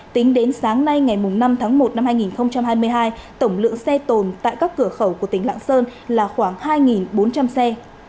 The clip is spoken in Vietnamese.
tính đến sáng nay ngày năm tháng một năm hai nghìn hai mươi hai tổng lượng xe tồn tại các cửa khẩu của tỉnh lạng sơn là khoảng hai bốn trăm linh xe